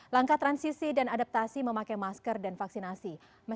langkah transisi dan adaptasi memakai masker dan vaksinasi